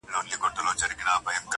د سورلنډیو انګولا به پښتانه بېروي-